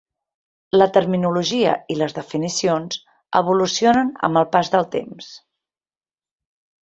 La terminologia i les definicions evolucionen amb el pas del temps.